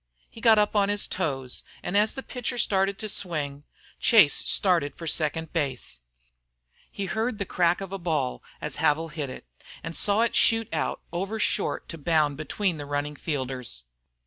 He got up on his toes and as the pitcher started to swing, Chase started for second base. He heard the crack of a ball as Havil hit it, and he saw it shoot out over short to bound between the running fielders.